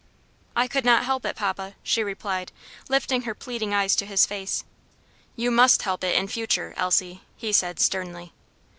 "I could not help it, papa," she replied, lifting her pleading eyes to his face. "You must help it in future, Elsie," he said sternly.